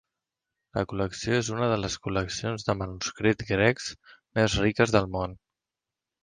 La col·lecció és una de les col·leccions de manuscrits grecs més riques del món.